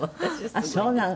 あっそうなの。